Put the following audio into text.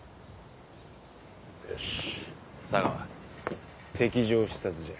よし佐川敵情視察じゃ。